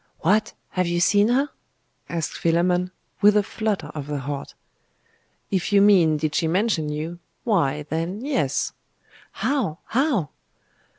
'What! have you seen her?' asked Philammon, with a flutter of the heart. 'If you mean, did she mention you, why, then, yes!' 'How? how?